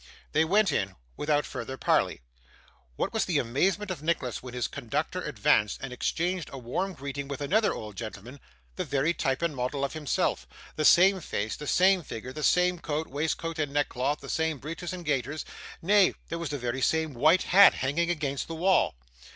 They went in, without further parley. What was the amazement of Nicholas when his conductor advanced, and exchanged a warm greeting with another old gentleman, the very type and model of himself the same face, the same figure, the same coat, waistcoat, and neckcloth, the same breeches and gaiters nay, there was the very same white hat hanging against the wall!